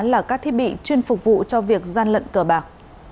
là các thiết bị chuyên phục vụ cho việc gian lận cờ bạc